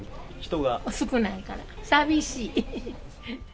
少ないから、寂しい。